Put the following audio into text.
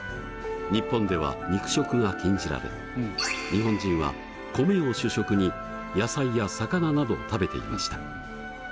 日本では肉食が禁じられ日本人は米を主食に野菜や魚などを食べていました。